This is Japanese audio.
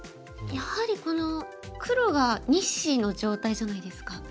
やはりこの黒が２子の状態じゃないですか。